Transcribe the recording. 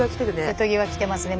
瀬戸際来てますね